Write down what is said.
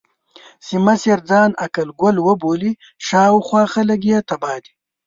چې مشر ځان عقل کُل وبولي، شا او خوا خلګ يې تباه دي.